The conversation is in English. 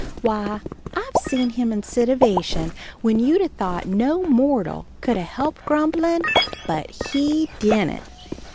Why I've seen him in sitivation when you'd a thought no mortal could a helped grumblin'; but he dident.